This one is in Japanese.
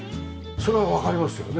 それはわかりますよね。